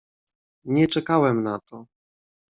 "Nie czekałem na to."